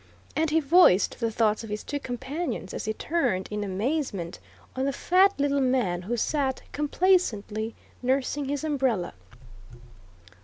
And he voiced the thoughts of his two companions as he turned in amazement on the fat little man who sat complacently nursing his umbrella.